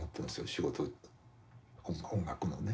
仕事音楽のね。